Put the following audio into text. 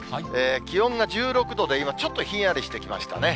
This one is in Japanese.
気温が１６度で、今、ちょっとひんやりしてきましたね。